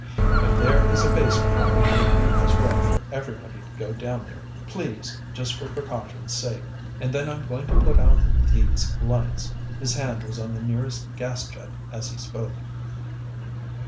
"If there is a basement, it would be as well for everybody to go down there, please just for precaution's sake. And then I'm going to put out these lights." His hand was on the nearest gas jet as he spoke.